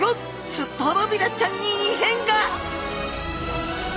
ストロビラちゃんに異変が！